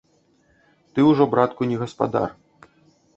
Ты ўжо, братку, не гаспадар.